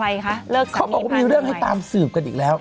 เลิกสามีพาหนุ่มใหม่เขาบอกว่ามีเรื่องให้ตามสืบกันอีกแล้ว